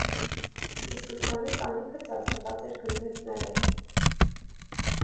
Ի սկզբանե տանիքը ծածկված էր գմբեթներով։